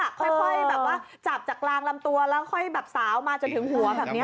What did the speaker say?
ค่อยจับจากกลางลำตัวแล้วค่อยสาวมาจะถึงหัวอย่างนี้